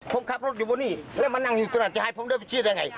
ผมขับรถอยู่บนนี้แล้วมานั่งอยู่ตรงนั้นจะให้ผมเดินไปชี้ได้ไง